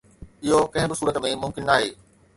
اهو ڪنهن به صورت ۾ ممڪن ناهي